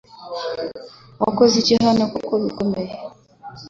Wakoze iki hanokuko bikenewe